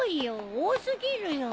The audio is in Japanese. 多過ぎるよ。